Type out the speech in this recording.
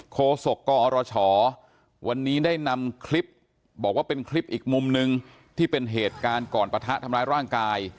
โศกกอรชวันนี้ได้นำคลิปบอกว่าเป็นคลิปอีกมุมหนึ่งที่เป็นเหตุการณ์ก่อนปะทะทำร้ายร่างกาย